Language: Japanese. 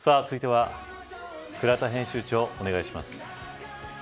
続いては倉田編集長、お願いします。